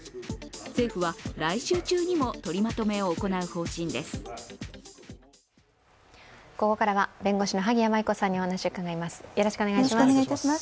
政府は来週中にも取りまとめを行う方針です。